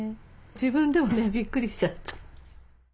自分でもねびっくりしちゃった。